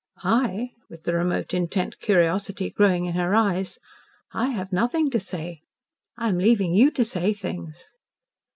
"I?" with the remote intent curiosity growing in her eyes. "I have nothing to say. I am leaving you to say things."